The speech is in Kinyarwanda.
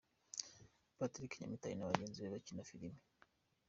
Patrick Nyamitali na bagenzi be bakina filme.